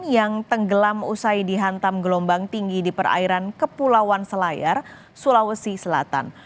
yang tenggelam usai dihantam gelombang tinggi di perairan kepulauan selayar sulawesi selatan